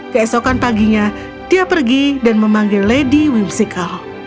keesokan paginya dia pergi dan memanggil lady whimsical